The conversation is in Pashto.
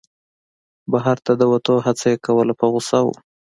بهر ته د وتلو هڅه یې کوله په غوسه و.